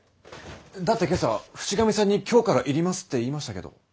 だって今朝渕上さんに今日から要りますって言いましたけど。